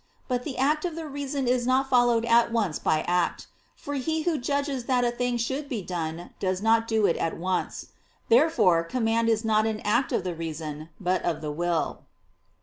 But the act of the reason is not followed at once by act: for he who judges that a thing should be done, does not do it at once. Therefore command is not an act of the reason, but of the will.